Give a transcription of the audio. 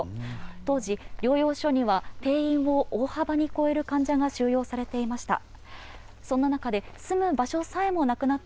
当時、療養所には定員を大幅に超える患者が収容されていました。